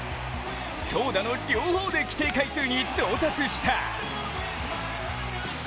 投打の両方で規定回数に到達した。